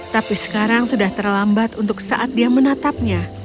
tapi sekarang sudah terlambat untuk saat dia menatapnya